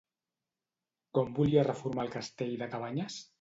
Com volia reformar el castell de Cabanyes?